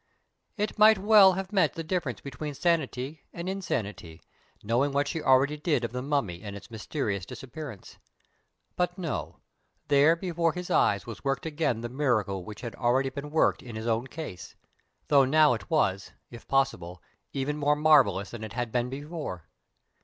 It might well have meant the difference between sanity and insanity, knowing what she already did of the Mummy and its mysterious disappearance. But no: there before his eyes was worked again the miracle which had already been worked in his own case, though now it was, if possible, even more marvellous than it had been before.